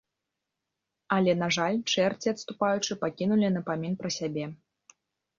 Але, на жаль, чэрці, адступаючы, пакінулі напамін пра сябе.